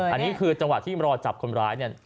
อันนี้คือจังหวะที่รอจับคนร้ายเนี่ย